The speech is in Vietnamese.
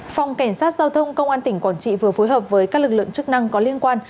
phòng cảnh sát giao thông công an tỉnh quảng trị vừa phối hợp với các lực lượng chức năng có liên quan